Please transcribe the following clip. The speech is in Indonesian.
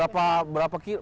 lapangannya sudah diubah